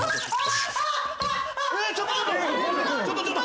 えっちょっとちょっと！